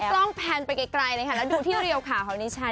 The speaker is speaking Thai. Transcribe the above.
อยากให้กล้องแพนไปไกลแล้วดูที่เรียวข่าวของนิชชัน